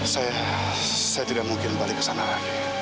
saya tidak mungkin balik kesana lagi